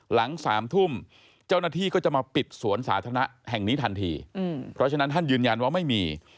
หลัง๓ทุ่มเจ้าหน้าที่ก็จะมาปิดสวนสาธารณะแห่งนี้ทันทีเพราะฉะนั้นท่านยืนยันว่าไม่มี